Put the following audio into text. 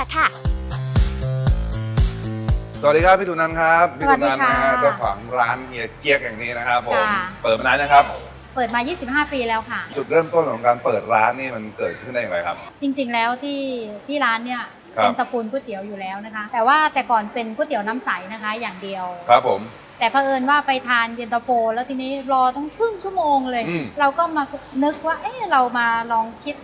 เอกลักษณ์หรือจุดเด่นของเย็นเตอร์โฟเฮียเกี๊ยกนี่น่าเป็นยังไงครับ